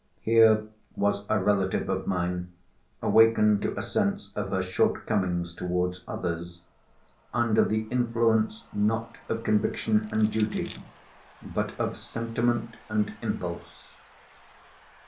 Here was a relative of mine, awakened to a sense of her shortcomings towards others, under the influence, not of conviction and duty, but of sentiment and impulse!